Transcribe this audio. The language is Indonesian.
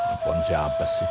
apaan siapa sih